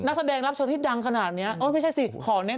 กลับฉากของเขาเสียดาย